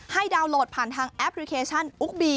ดาวน์โหลดผ่านทางแอปพลิเคชันอุ๊กบี